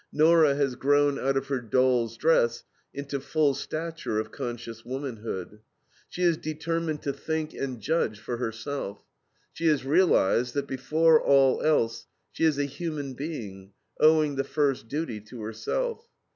Nora has grown out of her doll's dress into full stature of conscious womanhood. She is determined to think and judge for herself. She has realized that, before all else, she is a human being, owing the first duty to herself.